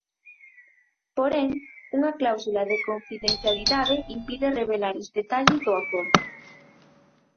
Porén, unha cláusula de confidencialidade impide revelar os detalles do acordo.